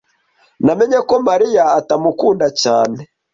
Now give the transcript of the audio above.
Ntamenya ko Mariya atamukunda cyane.